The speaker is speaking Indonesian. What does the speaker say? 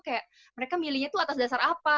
kayak mereka milihnya tuh atas dasar apa